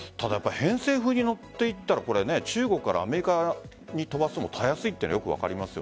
偏西風に乗っていったら中国からアメリカに飛ばすのもたやすいというのがよく分かりますよ。